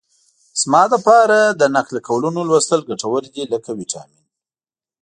زما لپاره د نقل قولونو لوستل ګټور دي لکه ویټامین.